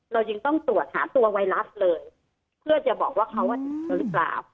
เรายังต้องตรวจหาตัวไวรัสเลยเพื่อจะบอกว่าเขาว่าจริงหรือเปล่า